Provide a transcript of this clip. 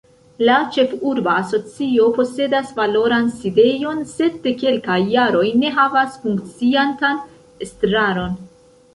La ĉefurba asocio posedas valoran sidejon, sed de kelkaj jaroj ne havas funkciantan estraron.